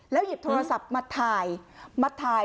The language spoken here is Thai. แล้วหยิบโทรศัพท์มาถ่าย